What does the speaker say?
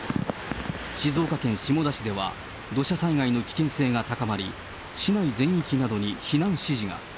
静岡県下田市では土砂災害の危険性が高まり、市内全域などに避難指示が。